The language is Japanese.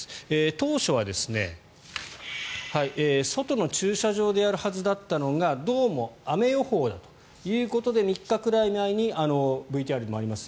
当初は外の駐車場でやるはずだったのがどうも雨予報だということで３日ぐらい前にＶＴＲにもあります